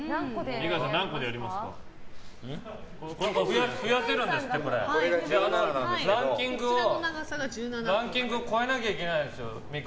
美川さん、ランキングを超えなきゃいけないです。